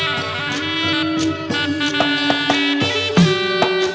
วันนี้ขอบพระคุณอาจารย์อีกทีนะครับ